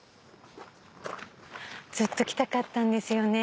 ずっと来たかったんですよね